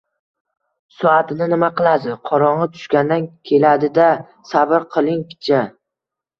— Soatini nima qilasiz? Qorong‘i tushganda keladi-da? Sabr qiling picha!